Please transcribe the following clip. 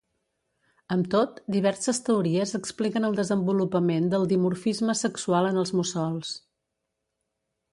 Amb tot, diverses teories expliquen el desenvolupament del dimorfisme sexual en els mussols.